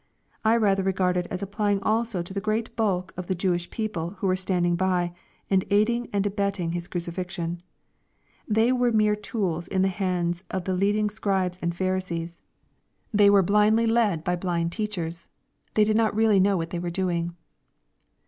I rather regard it as applying also to the great bulk of the Jewish people who were standing iDy, and aiding and abetting His crucifixion. They were ujere tools in the hands of the leaf ing Scribes and Phaii* 168 EXPOSITORY THOUQHTS. sees. They were blindly led by blind teachers. They did not really kn^w what they were doing.